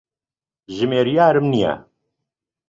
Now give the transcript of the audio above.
ژمێریارم نییە.